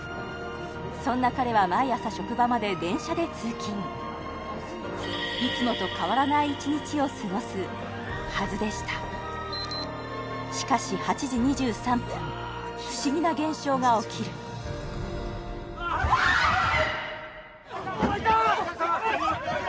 そんな彼は毎朝職場まで電車で通勤いつもと変わらない１日を過ごすはずでしたしかし８時２３分不思議な現象が起きるおっ開いた！